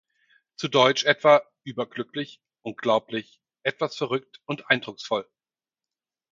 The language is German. Zu deutsch etwa überglücklich, unglaublich, etwas verrückt und eindrucksvoll.